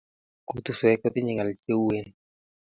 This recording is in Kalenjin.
Kutuswek kotinye ng'al che uen.